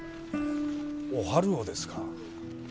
おはるをですか？